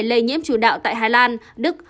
lây nhiễm chủ đạo tại hà lan đức